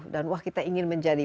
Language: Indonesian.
dan wah kita ingin menjadi